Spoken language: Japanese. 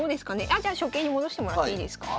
あじゃあ初形に戻してもらっていいですか？